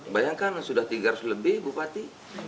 bayangkan sudah tiga ratus lebih bupati